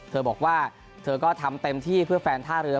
เธอบอกว่าเธอก็ทำเต็มที่เพื่อแฟนท่าเรือ